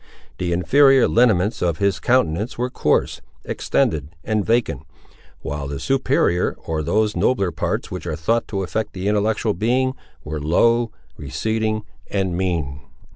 The inferior lineaments of his countenance were coarse, extended and vacant; while the superior, or those nobler parts which are thought to affect the intellectual being, were low, receding and mean.